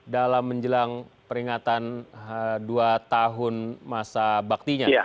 dalam menjelang peringatan dua tahun masa baktinya